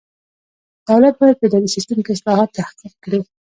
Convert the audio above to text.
دولت باید په اداري سیسټم کې اصلاحات تحقق کړي.